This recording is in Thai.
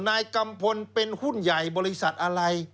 นายกัมพลเป็นหุ้นใหญ่บริษัทอะไร